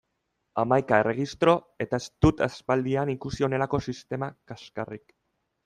Hamaika erregistro eta ez dut aspaldian ikusi honelako sistema kaxkarrik!